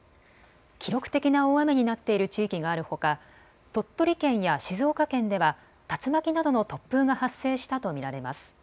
記録的な大雨になっている地域があるほか鳥取県や静岡県では竜巻などの突風が発生したと見られます。